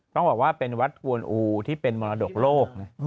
ต้องบอกว่าเป็นวัดกวนอูที่เป็นมรดกโลกนะ